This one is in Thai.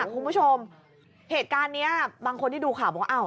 คุณผู้ชมเหตุการณ์นี้บางคนที่ดูข่าวบอกว่า